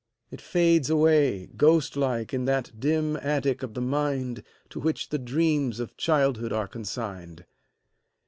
It fades away, Ghost like, in that dim attic of the mind To which the dreams of childhood are consigned.